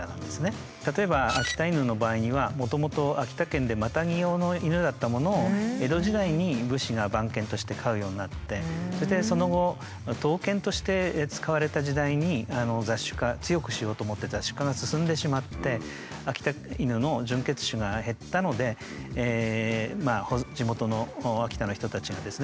例えば秋田犬の場合にはもともと秋田県でマタギ用の犬だったものを江戸時代に武士が番犬として飼うようになってそしてその後闘犬として使われた時代に雑種化強くしようと思って雑種化が進んでしまって秋田犬の純血種が減ったので地元の秋田の人たちがですね